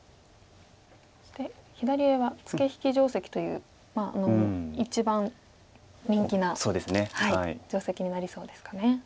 そして左上はツケ引き定石という一番人気な定石になりそうですかね。